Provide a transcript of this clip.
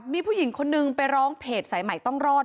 มีผู้หญิงคนนึงไปร้องเพจสายใหม่ต้องรอด